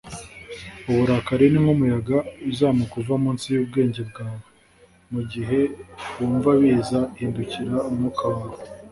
uburakari ni nkumuyaga uzamuka uva munsi yubwenge bwawe. mugihe wumva biza, hindukirira umwuka wawe